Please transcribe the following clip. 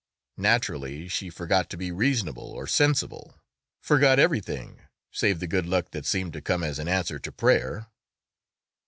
Naturally she forgot to be reasonable or sensible, forgot everything save the good luck that seemed to come as an answer to prayer.